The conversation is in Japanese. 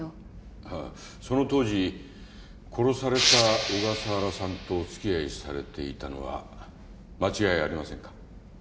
ああその当時殺された小笠原さんとお付き合いされていたのは間違いありませんか？